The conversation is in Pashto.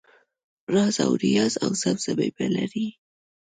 رازاونیازاوزمزمې به لرې